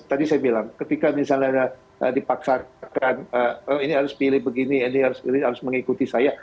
tadi saya bilang ketika misalnya dipaksakan oh ini harus pilih begini ini harus pilih harus mengikuti saya